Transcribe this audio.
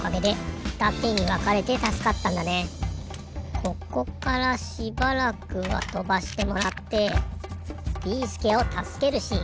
ここからしばらくはとばしてもらってビーすけをたすけるシーン。